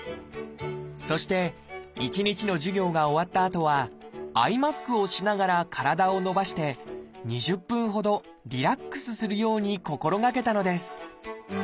そして一日の授業が終わったあとはアイマスクをしながら体を伸ばして２０分ほどリラックスするように心がけたのです